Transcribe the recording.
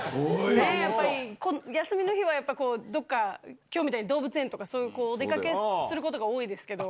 ねぇ、やっぱり、休みの日はやっぱり、どっか、きょうみたいに動物園とか、そういうお出かけすることが多いですけど。